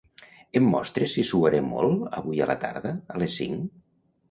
Em mostres si suaré molt avui a la tarda, a les cinc?